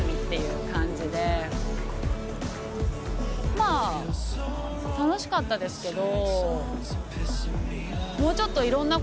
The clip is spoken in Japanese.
まぁ楽しかったですけど。